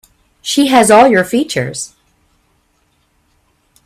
She has all your features.